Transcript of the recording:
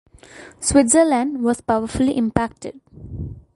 Switzerland was powerfully impacted.